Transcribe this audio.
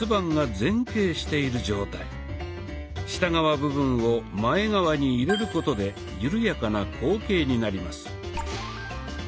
下側部分を前側に入れることで緩やかな後傾になります。